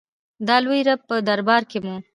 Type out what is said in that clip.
د لوی رب په دربار کې مو.